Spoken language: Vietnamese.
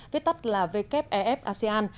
viết tắt là wef asean